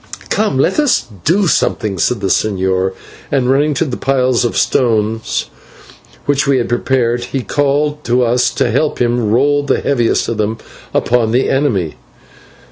"Come, let us do something," said the señor, and, running to the piles of stones which we had prepared, he called to us to help him roll the heaviest of them upon the enemy.